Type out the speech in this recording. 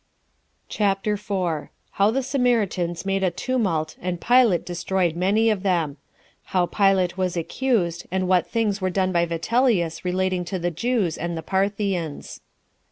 CHAPTER 4. How The Samaritans Made A Tumult And Pilate Destroyed Many Of Them; How Pilate Was Accused And What Things Were Done By Vitellius Relating To The Jews And The Parthians.